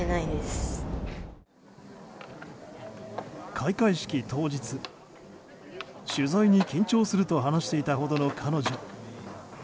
開会式当日、取材に緊張すると話していたほどの彼女。